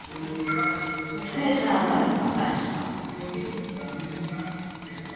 机から何か出した。